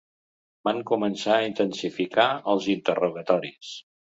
Van començar a intensificar els interrogatoris.